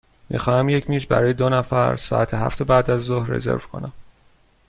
می خواهم یک میز برای دو نفر ساعت هفت بعدازظهر رزرو کنم.